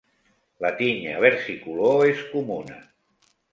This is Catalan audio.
La tinya versicolor és comuna.